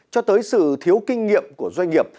cho tới sự thiếu kinh nghiệm của doanh nghiệp